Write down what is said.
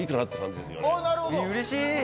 うれしい！